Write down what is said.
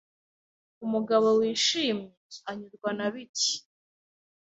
Umugabo wishimye anyurwa na bike